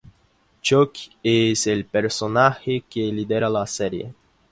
Chuck es el personaje que lidera la serie.